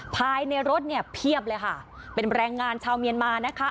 ภายในรถเนี่ยเพียบเลยค่ะเป็นแรงงานชาวเมียนมานะคะ